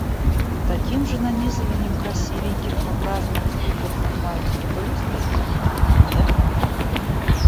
Таким же нанизыванием красивеньких, но праздных звуков занимаются футуристы? Нет.